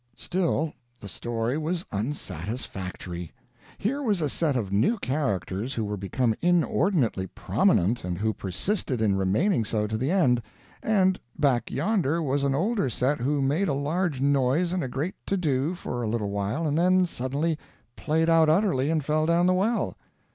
Still the story was unsatisfactory. Here was a set of new characters who were become inordinately prominent and who persisted in remaining so to the end; and back yonder was an older set who made a large noise and a great to do for a little while and then suddenly played out utterly and fell down the well.